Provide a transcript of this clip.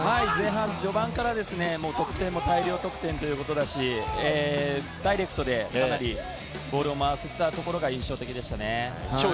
序盤から得点も大量得点ということだし、ダイレクトでかなりボールを回せていたところが印象的でしたね。